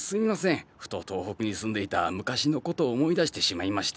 ふと東北に住んでいた昔の事を思い出してしまいまして。